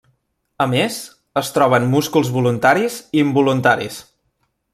A més, es troben músculs voluntaris i involuntaris.